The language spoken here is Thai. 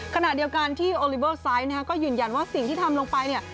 ขณะเดียวกันที่โอลิเบอร์ไซส์ก็ยืนยันว่าสิ่งที่ทำลงไปเนี่ย